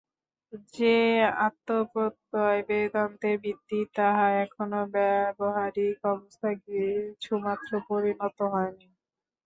যে আত্মপ্রত্যয় বেদান্তের ভিত্তি, তাহা এখনও ব্যাবহারিক অবস্থায় কিছুমাত্রও পরিণত হয় নাই।